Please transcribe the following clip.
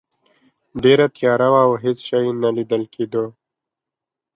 ډیره تیاره وه او هیڅ شی نه لیدل کیده.